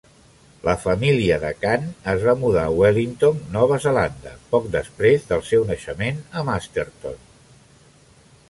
La família de Kan es va mudar a Wellington, Nova Zelanda, poc després del seu naixement a Masterton.